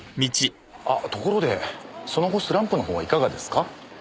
ところでその後スランプの方はいかがですか？